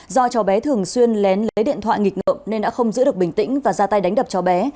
do cháu bé thường xuyên lén lấy điện thoại nghịch ngợm nên đã không giữ được bình tĩnh và ra tay đánh đập cháu bé